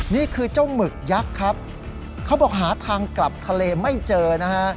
นี่คือเจ้าหมึกยักษ์ครับเขาบอกหาทางกลับทะเลไม่เจอนะฮะ